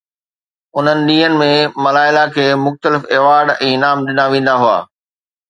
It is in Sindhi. انهن ڏينهن ۾ ملاله کي مختلف ايوارڊ ۽ انعام ڏنا ويندا هئا.